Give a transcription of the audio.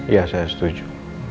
ya saya setuju